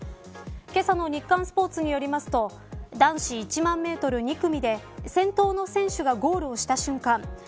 けさの日刊スポーツによりますと男子１万メートル２組で先頭の選手がゴールをした瞬間